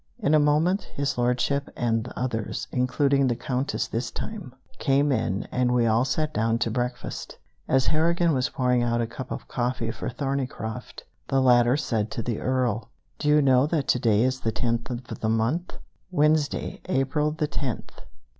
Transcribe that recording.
In a moment His Lordship and the others, including the Countess this time, came in, and we all sat down to breakfast. As Harrigan was pouring out a cup of coffee for Thorneycroft, the latter said to the Earl: "Do you know that to day is the tenth of the month, Wednesday, April the tenth?"